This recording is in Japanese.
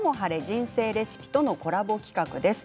人生レシピ」とのコラボ企画です。